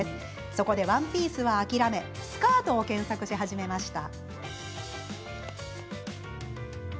そこで、ワンピースは諦めスカートを検索し始めました。